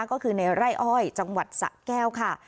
ก็คือในไร่อ้อยจังหวัดสะแก้วค่ะ